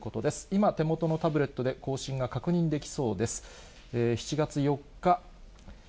今、手元のタブレットで更新が確認できそうです。